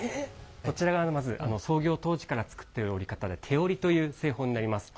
こちらがまず創業当時から作っている織り方で手織りという製法になります。